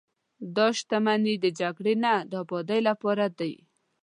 دا شتمنۍ د جګړې نه، د ابادۍ لپاره دي.